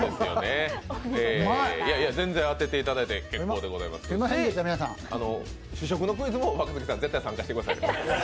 全然当てていただいて結構ですけど試食のクイズも若槻さん、絶対参加してください。